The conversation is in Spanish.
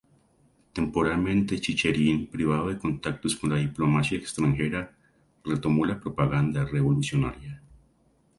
Temporalmente, Chicherin, privado de contactos con la diplomacia extranjera, retomó la propaganda revolucionaria.